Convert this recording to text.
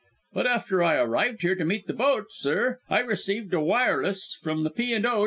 "But after I arrived here to meet the boat, sir I received a wireless from the P. and O.